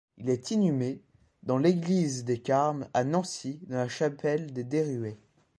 Il est inhumé dans l'église des Carmes à Nancy dans la chapelle des Deruet.